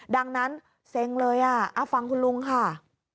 ดังนั้นเซ็งเลยอ่ะฟังคุณลุงค่ะ